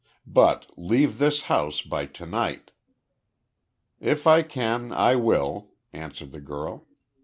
"But leave this house by to night." "If I can, I will," answered the girl.